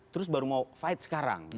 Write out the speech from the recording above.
terus baru mau fight sekarang